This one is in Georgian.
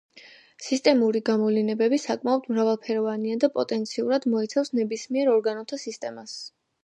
სისტემური გამოვლინებები საკმაოდ მრავალფეროვანია და პოტენციურად მოიცავს ნებისმიერ ორგანოთა სისტემას.